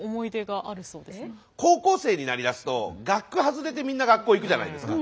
高校生になりだすと学区外れてみんな学校行くじゃないですか。